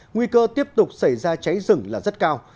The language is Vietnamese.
nguy cơ tiếp tục xảy ra cháy rừng là rất cao